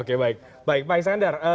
oke baik baik pak iskandar